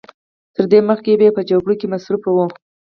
تر دې مخکې به په جګړو کې مصروف و.